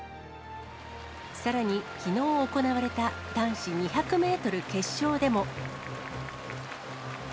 さらに、きのう行われた男子２００メートル決勝でも。